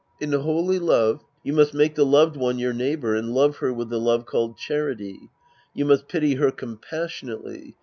In holy love, you must make the loved one your neighbor and love her with the love called charity. You must pity her compassionately.